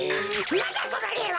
なんだそのれいは！